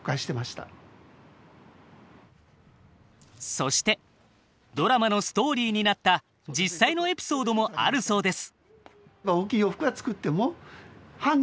そしてドラマのストーリーになった実際のエピソードもあるそうです。